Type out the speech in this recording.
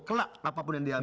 kelak apapun yang diambil